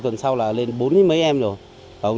hai tuần sau là lên bốn mấy em rồi